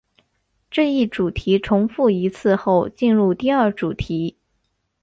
这一主题重复一次后进入第二主题。